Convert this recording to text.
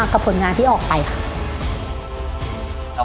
ร้องคะแนน